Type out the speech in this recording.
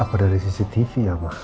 apa dari cctv ya pak